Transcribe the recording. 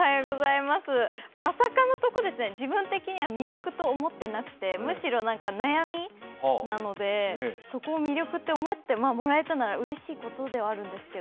まさかのとこですね、自分的には魅力と思ってなくてむしろ悩みなので、そこを魅力って思ってもらえたらうれしいことではあるんですけど。